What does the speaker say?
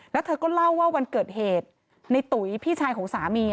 แล้วเธอก็เล่าว่าวันเกิดเหตุในตุ๋ยพี่ชายของสามี